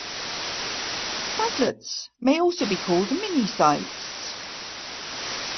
Sitelets may also be called "minisites".